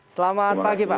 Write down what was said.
selamat pagi pak